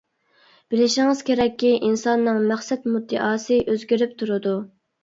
بىلىشىڭىز كېرەككى ئىنساننىڭ مەقسەت مۇددىئاسى ئۆزگىرىپ تۇرىدۇ.